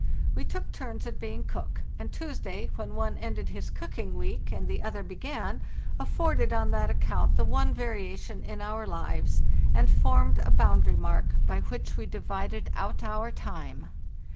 We took turns at being cook, and Tuesday, when one ended his cooking week and the other began, afforded on that account the one variation in our hves, and formed a boundary mark by which we divided out our time.